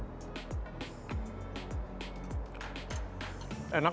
ini juga enak